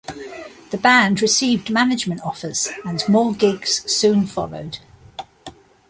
The band received management offers and more gigs soon followed.